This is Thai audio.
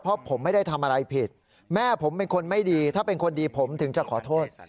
เพราะผมไม่ได้ทำอะไรผิดแม่ผมเป็นคนไม่ดีถ้าเป็นคนดีผมถึงจะขอโทษ